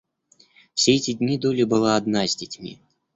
Все эти дни Долли была одна с детьми.